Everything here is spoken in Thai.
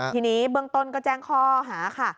ทีนี้เบื้องต้นก็แจ้งข้อหาค่ะ